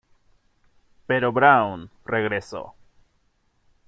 Pero Brown regresó.